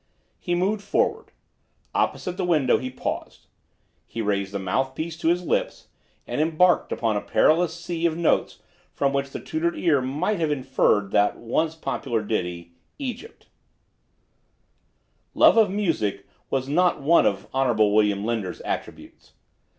He moved forward. Opposite the window he paused. He raised the mouthpiece to his lips and embarked on a perilous sea of notes from which the tutored ear might have inferred that once popular ditty, Egypt. Love of music was not one of the Honorable William Linder's attributes.